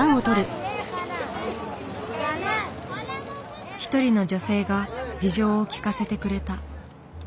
一人の女性が事情を聞かせてくれた。